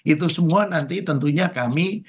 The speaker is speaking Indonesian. itu semua nanti tentunya kami